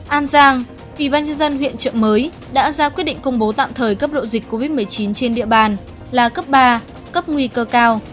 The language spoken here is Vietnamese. an giang ủy ban nhân dân huyện trợ mới đã ra quyết định công bố tạm thời cấp độ dịch covid một mươi chín trên địa bàn là cấp ba cấp nguy cơ cao